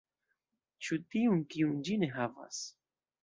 Ĉu tiun, kiun ĝi ne havas?